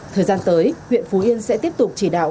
thời gian tới huyện phú yên sẽ tiếp tục chỉ đạo